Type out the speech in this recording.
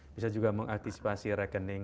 bisa juga mengaktisipasi rekening